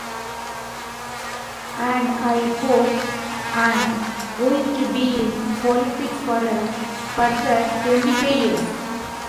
And I hope I'm going to be in politics for a further twenty-five years.